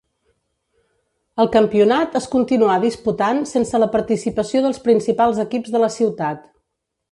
El campionat es continuà disputant sense la participació dels principals equips de la ciutat.